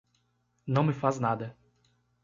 Não me faz nada